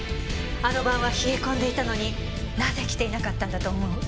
あの晩は冷え込んでいたのになぜ着ていなかったんだと思う？